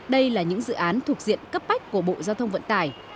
đây là những dự án thuộc diện cấp bách của bộ giao thông vận tải